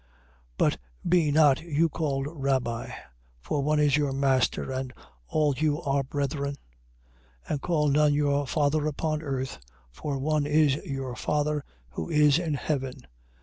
23:8. But be not you called Rabbi. For one is your master: and all you are brethren. 23:9. And call none your father upon earth; for one is your father, who is in heaven.